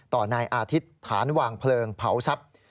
นายอาทิตย์ฐานวางเพลิงเผาทรัพย์